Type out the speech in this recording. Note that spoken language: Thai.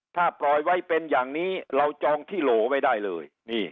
ถ้าปล่อยไว้เป็นอย่างนี้เราจองที่โหลไว้ได้เลย